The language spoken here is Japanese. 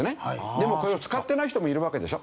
でもこれを使ってない人もいるわけでしょ。